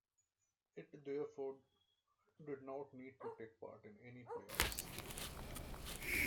It therefore did not need to take part in any play-offs.